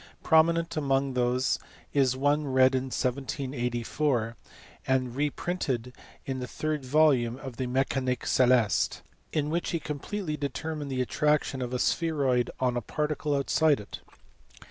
Prominent among these is one read in 1784, and reprinted in the third volume of the Mecanique celeste, in which he completely determined the attraction of a spheroid on a particle outside it.